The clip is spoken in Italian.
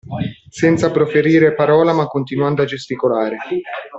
Senza proferire parola ma continuando a gesticolare.